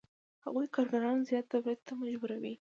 هغوی کارګران زیات تولید ته مجبوروي